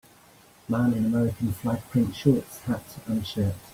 Man in American Flag print shorts, hat, and shirt.